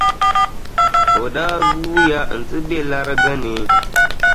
O daa guuya nti be lariga ni.